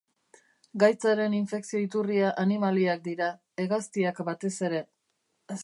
Gaitzaren infekzio iturria animaliak dira, hegaztiak batez ere.